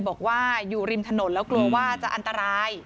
บอกว่าอยู่ริมถนนแล้วกลัวว่าจะอันตราย